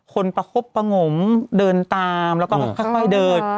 ประคบประงมเดินตามแล้วก็ค่อยเดิน